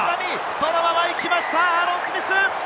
そのまま行きました、アーロン・スミス！